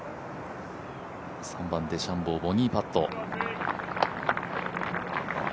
３番、デシャンボー、ボギーパット。